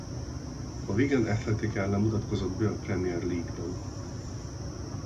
A Wigan Athletic ellen mutatkozhatott be a Premier League-ben.